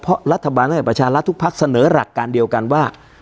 เพราะรัฐบาลพลังประชารัฐทุกพักเสนอหลักการเดียวกันว่า